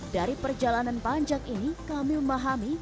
dari perjalanan panjang ini kami memahami